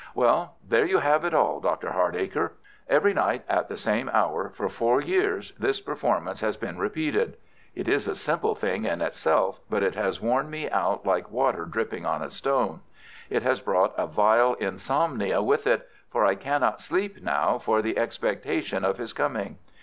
"Well, there you have it all, Dr. Hardacre. Every night at the same hour for four years this performance has been repeated. It is a simple thing in itself, but it has worn me out like water dropping on a stone. It has brought a vile insomnia with it, for I cannot sleep now for the expectation of his coming.